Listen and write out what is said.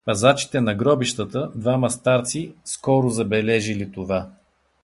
Пазачите на гробищата, двама старци, скоро забележили това.